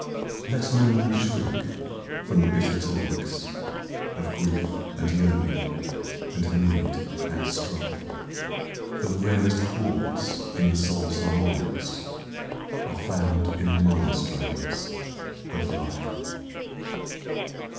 Let no man shrink from the bitter tonics Of grief, and yearning, and need, and strife, For the rarest chords in the soul's harmonics Are found in the minor strains of life.